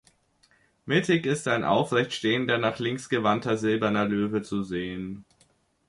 Mittig ist ein aufrecht stehender, nach links gewandter silberner Löwe zu sehen.